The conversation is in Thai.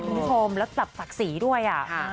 มีธมและสักสีด้วย